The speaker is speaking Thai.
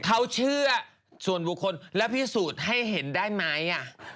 เขาเชื่อส่วนบุคคลแล้วพิสูจน์ให้เห็นได้ไหม